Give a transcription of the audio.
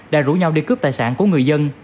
đã rủ nhau đi cướp tài sản của người dân